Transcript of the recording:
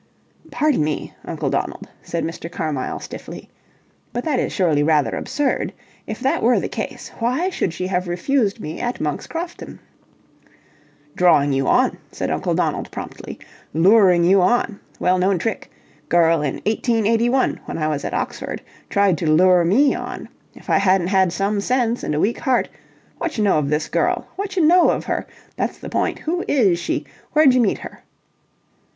"Pardon me, Uncle Donald," said Mr. Carmyle, stiffly, "but that is surely rather absurd. If that were the case, why should she have refused me at Monk's Crofton?" "Drawing you on," said Uncle Donald, promptly. "Luring you on. Well known trick. Girl in 1881, when I was at Oxford, tried to lure me on. If I hadn't had some sense and a weak heart... Whatch know of this girl? Whatch know of her? That's the point. Who is she? Wherej meet her?"